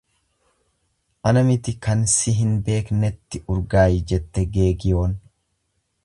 Ana miti kan si hin beeknetti urgaayi jette geegiyoon.